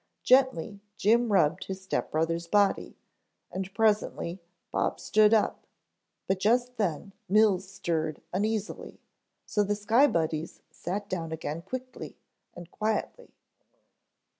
Gently Jim rubbed his step brother's body, and presently, Bob stood up, but just then Mills stirred uneasily, so the Sky Buddies sat down again quickly and quietly.